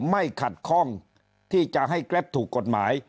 ไม่ขัดคล่องที่จะให้กรัพย์ถูกกฎหมาย